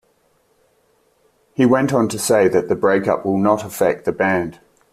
He went on to say that the break-up will not affect the band.